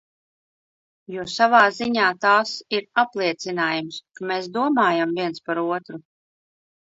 Jo savā ziņā tās ir apliecinājums, ka mēs domājam viens par otru.